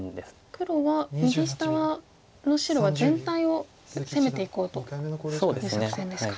黒は右下の白は全体を攻めていこうという作戦ですか。